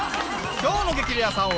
今日の『激レアさん』は。